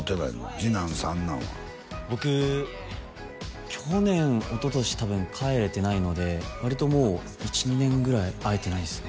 次男三男は僕去年おととしたぶん帰れてないのでわりともう１２年ぐらい会えてないですね